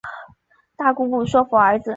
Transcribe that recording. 大姑姑说服儿子